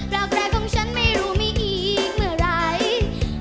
อกแต่ของฉันไม่รู้มีอีกเมื่อไหร่